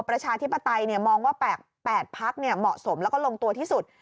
ประชาธิปไตยมองว่า๘พักเหมาะสมแล้วก็ลงตัวที่สุด